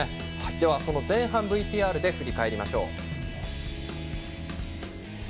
では、前半をＶＴＲで振り返りましょう。